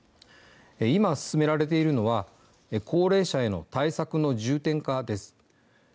今進められているのは高齢者への対策の重点化です。